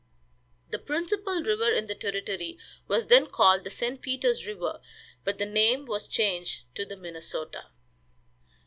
The principal river in the territory was then called the St. Peters river, but the name was changed to the Minnesota.